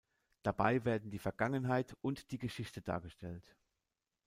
Dabei werden die Vergangenheit und die Geschichte dargestellt.